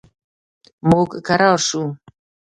موږ کرار شو.